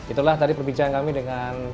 itulah tadi perbincangan kami dengan